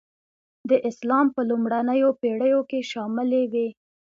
د اسلام په لومړنیو پېړیو کې شاملي وې.